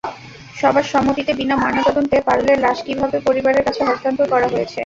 সবার সম্মতিতে বিনা ময়নাতদন্তে পারুলের লাশ পরিবারের কাছে হস্তান্তর করা হয়েছে।